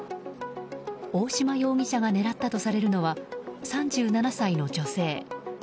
大島容疑者が狙ったとされるのは３７歳の女性。